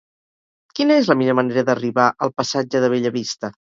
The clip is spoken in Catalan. Quina és la millor manera d'arribar al passatge de Bellavista?